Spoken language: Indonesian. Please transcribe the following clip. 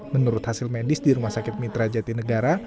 menurut hasil medis di rumah sakit mitra jati negara